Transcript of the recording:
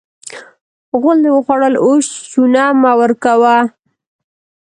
غول دې وخوړل؛ اوس چونه مه ورکوه.